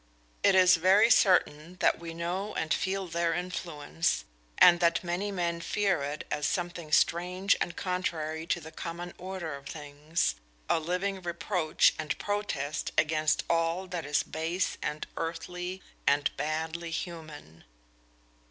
It is very certain that we know and feel their influence, and that many men fear it as something strange and contrary to the common order of things, a living reproach and protest against all that is base and earthly and badly human.